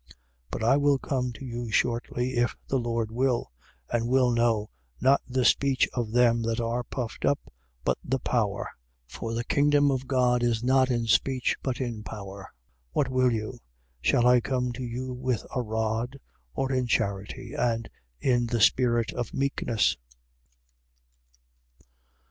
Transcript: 4:19. But I will come to you shortly, if the Lord will: and will know, not the speech of them that are puffed up, but the power. 4:20. For the kingdom of God is not in speech, but in power. 4:21. What will you? Shall I come to you with a rod? Or in charity and in the spirit of meekness?